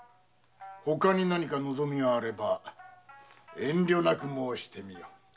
ほかに何か望みあれば遠慮なく申してみよ。